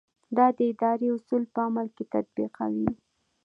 دا د ادارې اصول په عمل کې تطبیقوي.